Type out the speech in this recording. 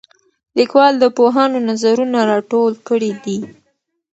لیکوال د پوهانو نظرونه راټول کړي دي.